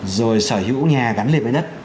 rồi sở hữu nhà gắn lên với đất